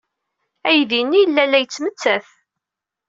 Aydi-nni yella la yettmettat.